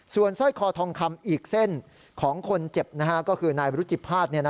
ส่วนสร้อยคอทองคำอีกเส้นของคนเจ็บก็คือนายบรุจิภาษณ์